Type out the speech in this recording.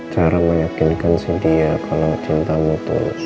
cara meyakinkan si dia kalau cintamu itu